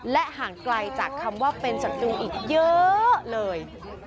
และห่างไกลจากคำว่าเป็นศัตรูอีกเยอะเลย